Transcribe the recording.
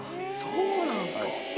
そうなんすか。